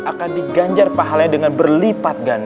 akan diganjar pahalanya dengan berlipat ganda